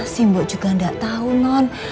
si mbok juga gak tau non